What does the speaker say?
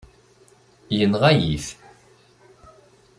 Yenɣa-yi-t.